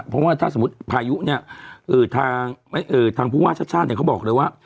เพราะว่าถ้าสมมุติพายุเนี่ยทางผู้ว่าชาติชาติเนี่ยเขาบอกเลยว่า